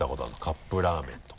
カップラーメンとか。